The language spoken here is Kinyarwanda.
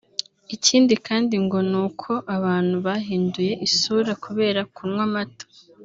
Ikindi kandi ngo ni uko abantu bahinduye isura kubera kunywa amata